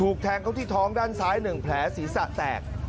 แทงเขาที่ท้องด้านซ้าย๑แผลศีรษะแตก